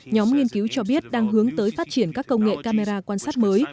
nhóm nghiên cứu cho biết đang hướng tới phát triển các công nghệ camera quan sát mới